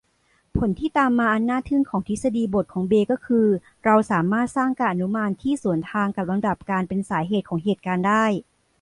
ผลที่ตามมาอันน่าทึ่งของทฤษฎีบทของเบย์ก็คือเราสามารถสร้างการอนุมานที่สวนทางกับลำดับการเป็นสาเหตุของเหตุการณ์ได้